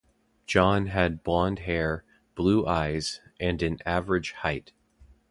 John had blond hair, blue eyes and an average height.